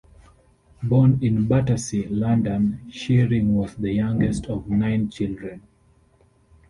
Born in Battersea, London, Shearing was the youngest of nine children.